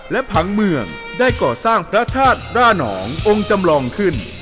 ทั้งเมืองได้ก่อสร้างพระทาสร่านองค์องค์จำลองขึ้น